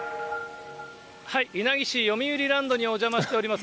稲城市よみうりランドにお邪魔しております。